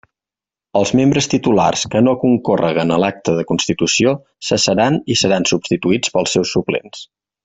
Els membres titulars que no concórreguen a l'acte de constitució cessaran i seran substituïts pels seus suplents.